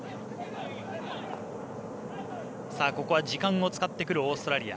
時間を使ってくるオーストラリア。